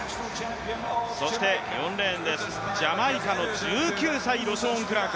そして４レーンです、ジャマイカの１９歳、ロショーン・クラーク。